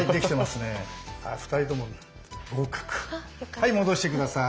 はい戻して下さい。